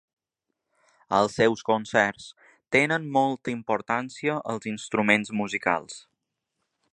Als seus concerts tenen molta importància els instruments musicals.